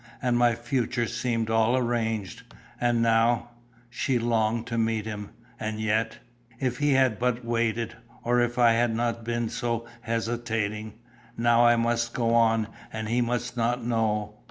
"And my future seemed all arranged; and now " she longed to meet him, and yet "If he had but waited, or if I had not been so hesitating! Now I must go on, and he must not know.